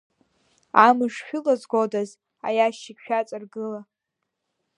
Амш шәылазгодаз аиашьыкь шәаҵаргыла?